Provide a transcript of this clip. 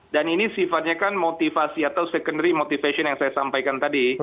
dan ini sifatnya kan motivasi atau secondary motivation yang saya sampaikan tadi